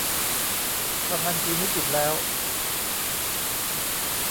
บางอันปีนี้ปิดแล้ว